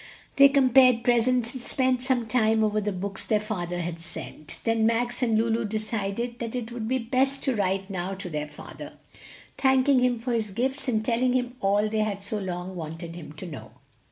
They compared presents, and spent some time over the books their father had sent, then Max and Lulu decided that it would be best to write now to their father, thanking him for his gifts and telling him all they had so long wanted him to know.